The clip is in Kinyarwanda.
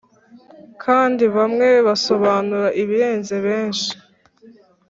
kandi bamwe basobanura ibirenze benshi,